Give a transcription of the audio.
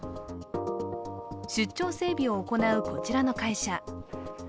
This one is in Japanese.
出張整備を行うこちらの会社。